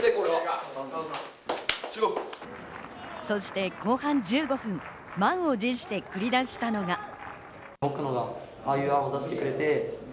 そして後半１５分、満を持して繰り出したのが。